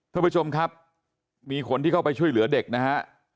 ท่านผู้ชมครับมีคนที่เข้าไปช่วยเหลือเด็กนะฮะ